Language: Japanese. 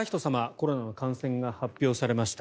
コロナの感染が発表されました。